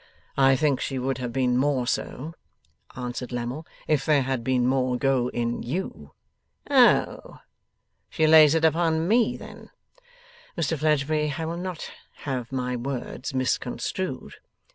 'I think she would have been more so,' answered Lammle, 'if there had been more go in YOU?' 'Oh! She lays it upon me, then?' 'Mr Fledgeby, I will not have my words misconstrued.